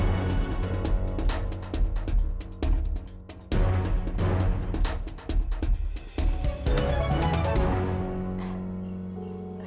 tapi saya tidak pernah masuk penjara